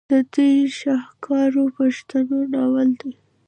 د دوي شاهکار پښتو ناول دے